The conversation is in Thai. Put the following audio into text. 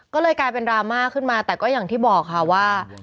ก็เลยกลายเป็นดราม่าขึ้นมาแต่ก็อย่างที่บอกค่ะว่า